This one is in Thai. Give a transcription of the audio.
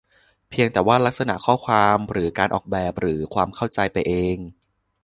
เพียงแต่ว่าลักษณะข้อความหรือการออกแบบ หรือความเข้าใจไปเอง